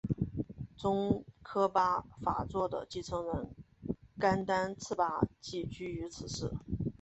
宗喀巴法座的继承人甘丹赤巴即居于此寺。